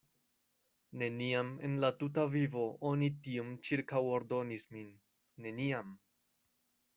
"Neniam en la tuta vivo oni tiom ĉirkaŭordonis min, neniam!"